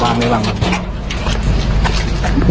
วางไหมวางไหม